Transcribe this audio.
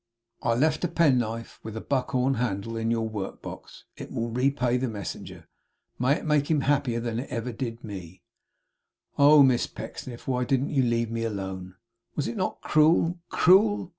I left a penknife with a buckhorn handle in your work box. It will repay the messenger. May it make him happier than ever it did me! 'Oh, Miss Pecksniff, why didn't you leave me alone! Was it not cruel, CRUEL!